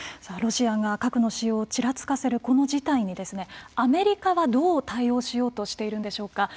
ロシアが核の使用をちらつかせるこの事態にアメリカはどう対応しようとしているんでしょうか。